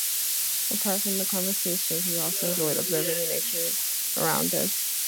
Apart from the conversations, we also enjoy observing the nature around us.